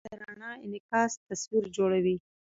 د رڼا انعکاس تصویر جوړوي.